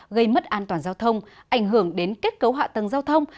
gây mất an toàn giao thông ảnh hưởng đến kết cấu hạ tầng giao thông